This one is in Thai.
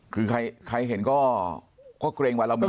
คือใครเห็นก็เกรงบารมี